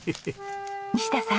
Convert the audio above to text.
西田さん。